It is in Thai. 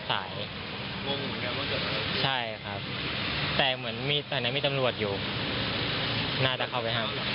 ใช่ค่ะ๘โมง